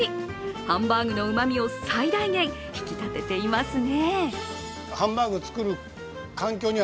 ハンバーグのうまみを最大限引き立てていますね。